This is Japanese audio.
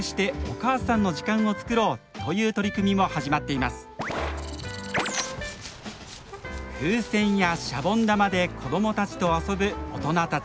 風船やシャボン玉で子どもたちと遊ぶ大人たち。